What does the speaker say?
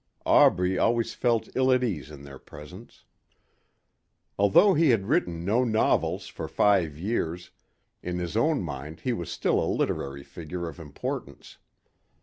Aubrey always felt ill at ease in their presence. Although he had written no novels for five years, in his own mind he was still a literary figure of importance.